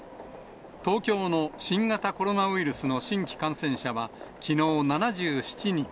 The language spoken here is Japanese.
東京の新型コロナウイルスの新規感染者は、きのう７７人。